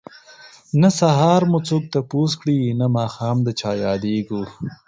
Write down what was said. نه سهار مو څوک تپوس کړي نه ماښام د چا ياديږو